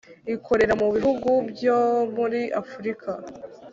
ikorera mu bihugu byo muri afurika,